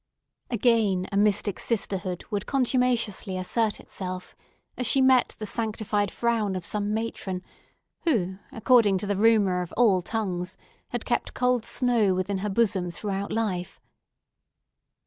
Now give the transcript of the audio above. Again a mystic sisterhood would contumaciously assert itself, as she met the sanctified frown of some matron, who, according to the rumour of all tongues, had kept cold snow within her bosom throughout life.